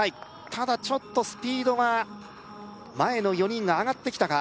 ただちょっとスピードが前の４人が上がってきたか